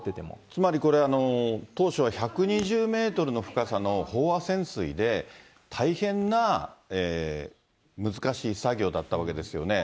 つまりこれ、当初は１２０メートルの深さの飽和潜水で、大変な難しい作業だったわけですよね。